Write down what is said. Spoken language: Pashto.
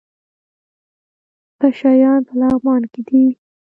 پشه یان په لغمان کې دي؟